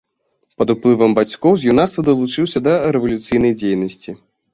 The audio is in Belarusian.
Пад уплывам бацькоў з юнацтва далучыўся да рэвалюцыйнай дзейнасці.